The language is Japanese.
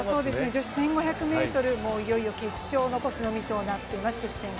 女子１５００ｍも、いよいよ決勝を残すのみとなっています。